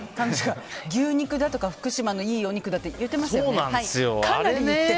牛肉だとか福島のいいお肉だって言ってましたよね。